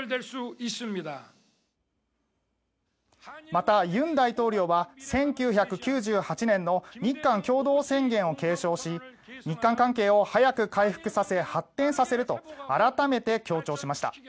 また、尹大統領は１９９８年の日韓共同宣言を継承し日韓関係を早く回復させ発展させると改めて強調しました。